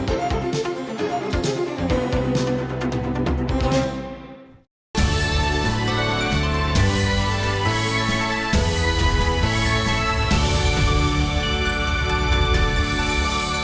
hẹn gặp lại